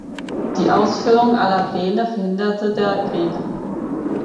Die Ausführung aller Pläne verhinderte der Krieg.